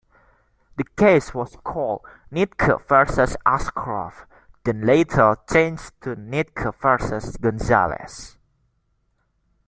The case was called "Nitke versus Ashcroft", then later changed to "Nitke versus Gonzales".